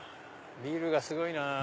ビルがすごいなぁ。